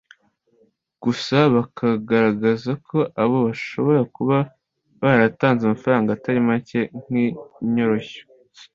gusa bakagaragaza ko abo bashobora kuba baratanze amafaranga atari make nk’inyoroshyo